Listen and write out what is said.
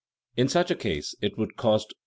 In such a case it would cost $4.